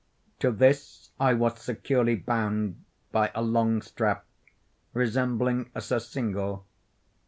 To this I was securely bound by a long strap resembling a surcingle.